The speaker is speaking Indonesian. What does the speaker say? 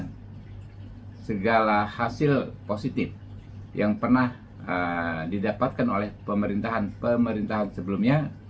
karena segala hasil positif yang pernah didapatkan oleh pemerintahan pemerintahan sebelumnya